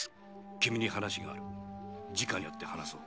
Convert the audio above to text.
「君に話があるじかに会って話そう」